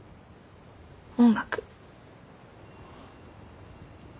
音楽。